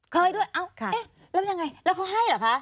เคยด้วยเอ้าแล้วยังไงแล้วเค้าให้เหรอคะ